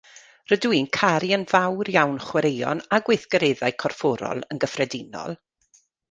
Rydw i'n caru yn fawr iawn chwaraeon a gweithgareddau corfforol yn gyffredinol